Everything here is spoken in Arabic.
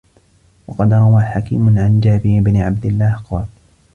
وَقَدْ رَوَى حَكِيمٌ عَنْ جَابِرِ بْنِ عَبْدِ اللَّهِ قَالَ